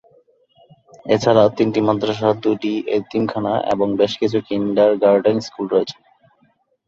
এছাড়া তিনটি মাদ্রাসা, দুইটি এতিমখানা এবং বেশকিছু কিন্ডারগার্টেন স্কুল রয়েছে।